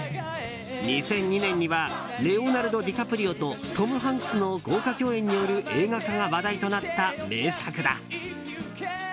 ２００２年にはレオナルド・ディカプリオとトム・ハンクスの豪華共演による映画化が話題となった名作だ。